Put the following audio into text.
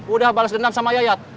udah balas dendam sama yayat